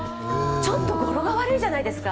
ちょっと語呂が悪いじゃないですか、